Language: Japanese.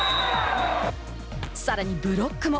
さらにブロックも。